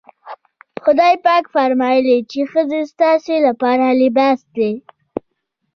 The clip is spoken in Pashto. خدای پاک فرمايي چې ښځې ستاسې لپاره لباس دي.